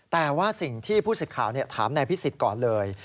แต่ว่าสิ่งที่ผู้สิทธิ์ข่าวถามนายพิสิทธิ์ก่อนเลย